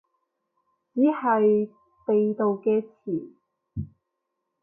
只係地道嘅詞